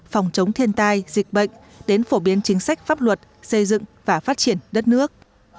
phòng chống thiên tai dịch bệnh đến phổ biến chính sách pháp luật xây dựng và phát triển đất nước